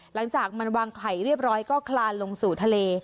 หลังจากมันวางไข่เรียบร้อยก็คลานลงสู่ทะเล